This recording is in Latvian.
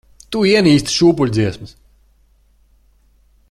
Tu ienīsti šūpuļdziesmas.